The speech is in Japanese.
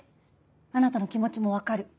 あなたの気持ちも分かる。